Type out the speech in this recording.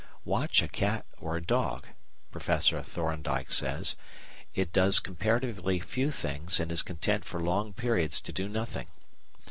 Watch a cat or a dog, Professor Thorndike says; it does comparatively few things and is content for long periods to do nothing.